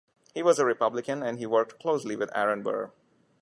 He was a Republican and he worked closely with Aaron Burr.